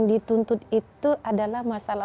dituntut itu adalah masalah